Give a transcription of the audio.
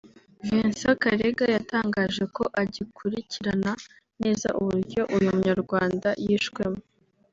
Vincent Karega yatangaje ko agikurikirana neza uburyo uyu munyarwanda yishwemo